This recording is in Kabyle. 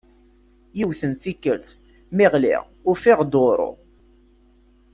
Yiwet n tikelt mi ɣliɣ ufiɣ duṛu.